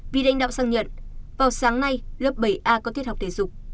vì lãnh đạo xăng nhận vào sáng nay lớp bảy a có tiết học thể dục